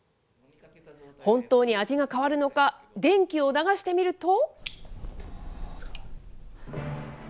本当に味が変わるのか、電気を流してみると。